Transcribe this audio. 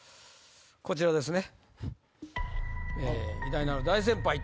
こちらですね。